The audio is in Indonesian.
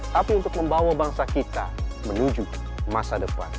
tapi untuk membawa bangsa kita menuju masa depan